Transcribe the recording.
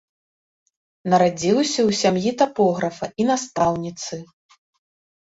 Нарадзіўся ў сям'і тапографа і настаўніцы.